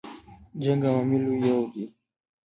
جنګ عواملو یو دی.